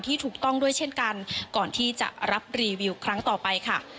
ถูกต้องด้วยเช่นกันก่อนที่จะรับรีวิวครั้งต่อไปค่ะ